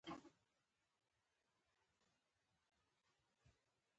دا یوه کاپي ده